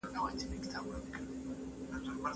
د هېواد بهرنیو اړیکې د اوږدمهاله ثبات لپاره بسنه نه کوي.